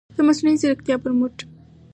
د مصنوعي ځیرکتیا پر مټ